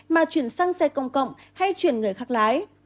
mà chuyển sang xe công cộng hay chuyển người khác lái